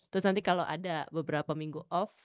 terus nanti kalo ada beberapa minggu off